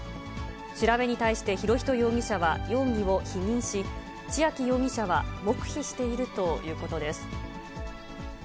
調べに対して博仁容疑者は容疑を否認し、千秋容疑者は黙秘しているということです。